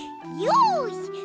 よし！